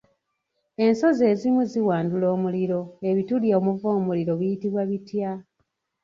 Ensozi ezimu ziwandula omuliro ebituli omuva omuliro biyitibwa bitya?